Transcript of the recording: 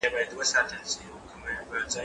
زه پرون د کتابتوننۍ سره وم!؟